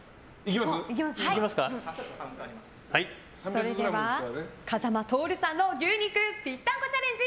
それでは風間トオルさんの牛肉ぴったんこチャレンジ